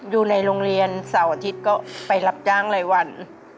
อยู่ในโรงเรียนเสาร์อาทิตย์ก็ไปรับจ้างรายวัน